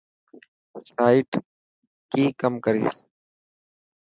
سائيٽ ڪي ڪم ڪرسي.